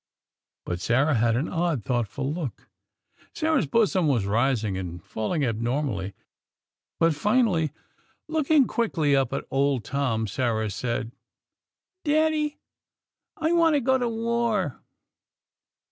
But Sarah had an odd, thoughtful look. Sarah's bosom was rising and falling abnormally; but, finally, looking quickly up at old Tom, Sarah said: "Daddy, I want to go to war."